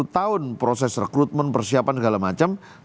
sepuluh tahun proses rekrutmen persiapan segala macam